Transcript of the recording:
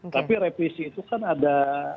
tapi revisi itu kan ada